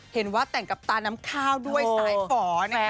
เห็นว่าแต่งกับตาน้ำข้าวด้วยสายฝ่อนะคะ